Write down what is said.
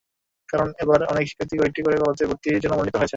কারণ, এবার অনেক শিক্ষার্থী কয়েকটি করে কলেজে ভর্তির জন্য মনোনীত হয়েছে।